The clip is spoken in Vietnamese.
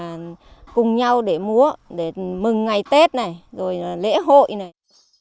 thì chúng tôi lại tập trung cùng nhau để múa để mừng ngày tết này rồi lễ hội này